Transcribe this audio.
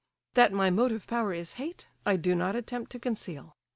That my motive power is hate, I do not attempt to conceal.